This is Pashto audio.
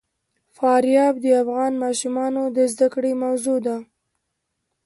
فاریاب د افغان ماشومانو د زده کړې موضوع ده.